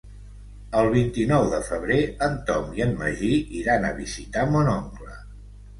El vint-i-nou de febrer en Tom i en Magí iran a visitar mon oncle.